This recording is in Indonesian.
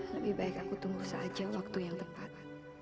lebih baik aku tunggu saja waktu yang tepat